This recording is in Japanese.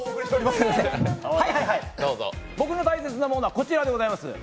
僕の大切なものはこちらでございます。